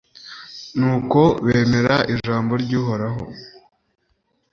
nuko bemera ijambo ry'uhoraho